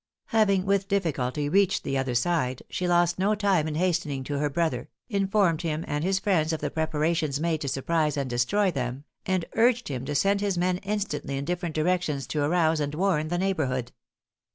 Having with difficulty reached the other side, she lost no time in hastening to her brother, informed him and his friends of the preparations made to surprise and destroy them, and urged him to send his men instantly in different directions to arouse and warn the neighborhood.